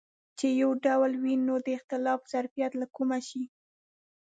چې یو ډول وي نو د اختلاف ظرفیت له کومه شي.